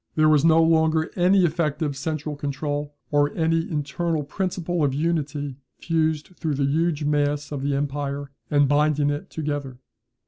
There was no longer any effective central control, or any internal principle of unity fused through the huge mass of the empire, and binding it together.